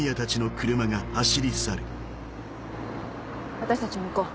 私たちも行こう。